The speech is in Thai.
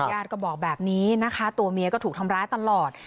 ญาติก็บอกแบบนี้นะคะตัวเมียก็ถูกทำร้ายตลอด